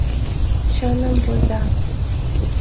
Чыным воза.